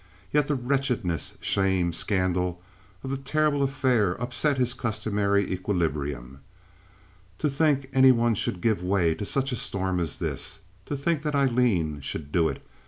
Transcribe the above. Yet the wretchedness, shame, scandal of the terrible affair upset his customary equilibrium. To think any one should give way to such a storm as this! To think that Aileen should do it!